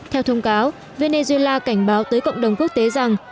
theo thông cáo venezuela cảnh báo tới cộng đồng quốc tế rằng